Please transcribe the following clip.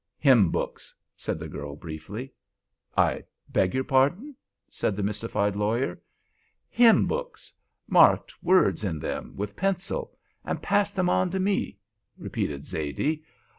"Hymn books," said the girl, briefly. "I beg your pardon," said the mystified lawyer. "Hymn books—marked words in them with pencil—and passed 'em on to me," repeated Zaidee.